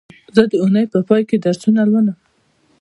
زه د اونۍ په پای کې درسونه لولم